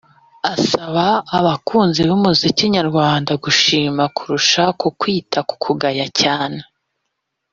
asaba abakunzi b’umuziki nyarwanda gushima kurusha ku kwita kugaya cyane